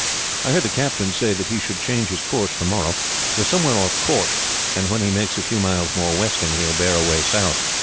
I heard the captain say that he should change his course tomorrow. We are somewhere off Cork, and when he makes a few miles more westing, he will bear away south.